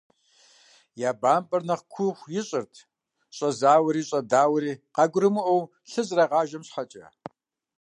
Я бампӀэр нэхъ куу ищӀырт щӀэзауэри щӀэдауэри къагурымыӀуэу лъы зэрагъажэм щхьэкӏэ.